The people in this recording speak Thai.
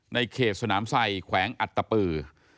ในเขตสนามไซแขวงอัตตปือ